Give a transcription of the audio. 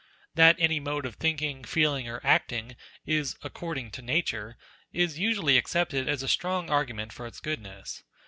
That any mode of thinking, feeling, or acting, is "according to nature" is usually accepted as a strong argument for its goodness.